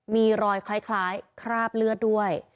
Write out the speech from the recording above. มีรอยคล้ายคราบเลือดด้วย